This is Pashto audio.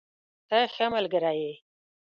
ته ښه ملګری یې.